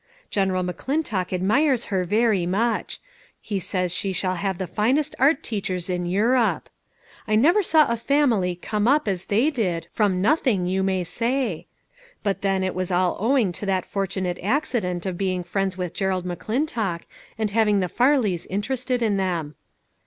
General McClintock admires her very much ; he says she shall have the finest art teachers in Europe. I never saw a family come up as they did, from nothing, you may say. But then it was all ow ing to that fortunate accident of being friends with Gerald McClintock, and having the Farleys interested in them.